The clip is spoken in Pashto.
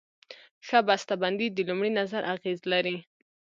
ښه بسته بندي د لومړي نظر اغېز لري.